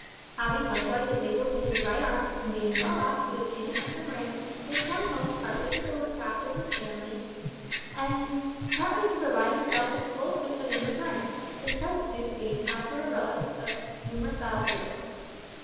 Having likewise disabled his right arm, and being well off through the payment of some ransoms, he had come home partly to look after his family, and partly to provide himself with a full suit of English harness, his present suit being a patchwork of relics of numerous battle fields.